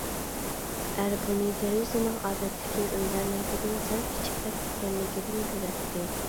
ئەر بۇنى دېرىزىنىڭ ئادەتتىكى ئۆيلەرنىڭكىدىن سەل كىچىكرەك ئىكەنلىكىدىن كۆرەتتى.